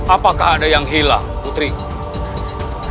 apakah ada yang hilang putri